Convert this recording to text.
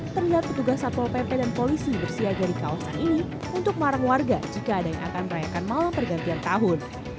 terlihat petugas satpol pp dan polisi bersiaga di kawasan ini untuk melarang warga jika ada yang akan merayakan malam pergantian tahun